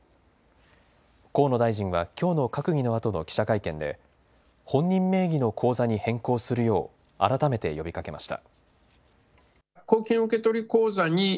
河野大臣はきょうの閣議のあとの記者会見で本人名義の口座に変更するよう改めて呼びかけました。